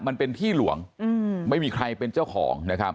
มันเป็นที่หลวงไม่มีใครเป็นเจ้าของนะครับ